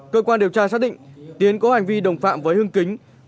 cơ quan điều tra xác định tiến có hành vi đồng phạm với hương kính